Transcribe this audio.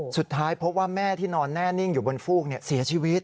สุดท้ายพบว่าแม่ที่นอนแน่นิ่งอยู่บนฟูกเสียชีวิต